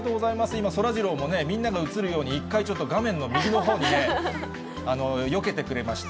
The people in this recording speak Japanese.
今、そらジローもね、みんなが映るように一回、ちょっと画面の右のほうにね、よけてくれました。